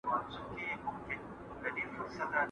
زه ځان وژنم ستا دپاره، ته څاه کينې زما دپاره.